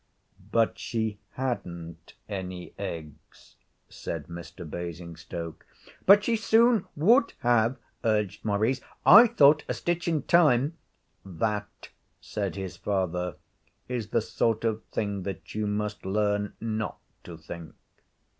'But she hadn't any eggs,' said Mr. Basingstoke. 'But she soon would have,' urged Maurice. 'I thought a stitch in time ' 'That,' said his father, 'is the sort of thing that you must learn not to think.'